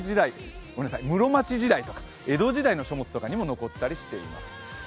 室町時代、江戸時代の書物とかにも残ってたりしています。